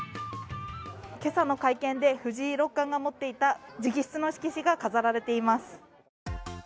今朝の経験で藤井六冠が持っていた直筆の色紙が飾られています。